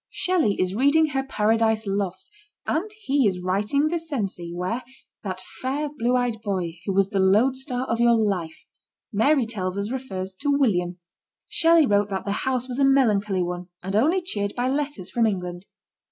Shelley is read ing her Paradise Lost, and he is writing the Cenci, where That fair, blue eyed boy, Who was the lodestar of your life, Mary tells us refers to William, Shelley wrote that their house was a melancholy one, and only cheered by letters from England.